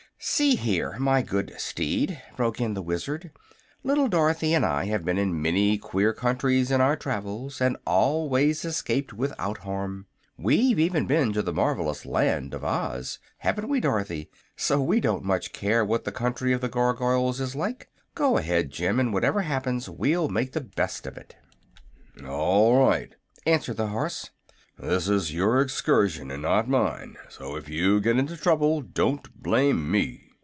"See here, my good steed," broke in the Wizard, "little Dorothy and I have been in many queer countries in our travels, and always escaped without harm. We've even been to the marvelous Land of Oz haven't we, Dorothy? so we don't much care what the Country of the Gargoyles is like. Go ahead, Jim, and whatever happens we'll make the best of it." "All right," answered the horse; "this is your excursion, and not mine; so if you get into trouble don't blame me."